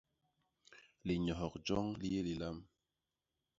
Linyohok joñ li yé lilam.